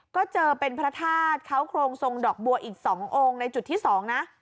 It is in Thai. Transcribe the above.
ก็เจอเป็นพระธาตุเขาโครงทรงดอกบัวอีก๒องค์ในจุดที่๒นะ